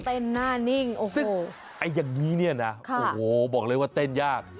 เต้นหน้านิ่งโอ้โหซึ่งอย่างนี้เนี่ยนะโอ้โหบอกเลยว่าเต้นยาก